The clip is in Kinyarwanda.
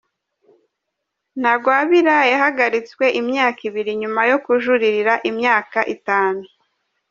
Ntagwabira yahagaritswe imyaka ibiri nyuma yo kujuririra imyaka itanu.